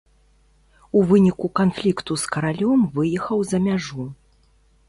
У выніку канфлікту з каралём выехаў за мяжу.